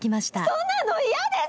そんなの嫌です！